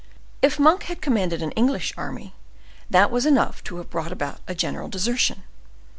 If Monk had commanded an English army, that was enough to have brought about a general desertion.